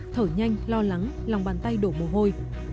thở nhanh lo lắng lòng bàn tay đổ mồ hôi